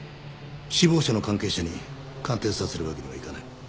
死亡者の関係者に鑑定させるわけにはいかない。